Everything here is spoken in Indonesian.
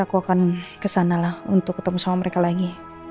aku akan kesana lah untuk ketemu sama mereka lagi